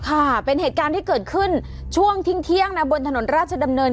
ค่ะเป็นเหตุการณ์ที่เกิดขึ้นช่วงทิ้งเที่ยงนะบนถนนราชดำเนิน